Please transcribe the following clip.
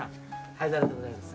灰皿でございます。